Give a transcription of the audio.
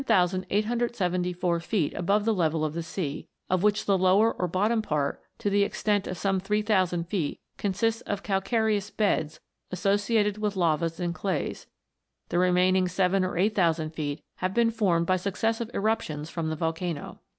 Mount jEtna, in Sicily, rises 10,874 feet above the level of the sea, of which the lower or bottom part, to the extent of some three thousand feet, con sists of calcareous beds, associated with lavas and clays ; the remaining 7000 or 8000 feet have been formed by successive eruptions from the volcano.